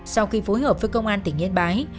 sau khi phối hợp với công an tỉnh yên bái